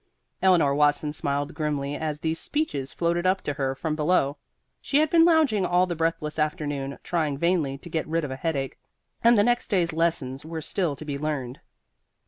Eleanor Watson smiled grimly as these speeches floated up to her from below. She had been lounging all the breathless afternoon, trying vainly to get rid of a headache; and the next day's lessons were still to be learned.